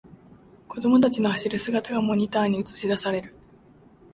子供たちの走る姿がモニターに映しだされる